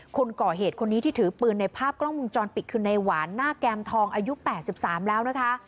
คนก่อเหตุคนนี้ที่ถือปืนในภาพกล้องวงจรปิดคือในหวานหน้าแก้มทองอายุ๘๓แล้วนะคะ